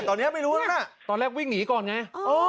ตอนนี้ไม่รู้แล้วนะตอนแรกวิ่งหนีก่อนไง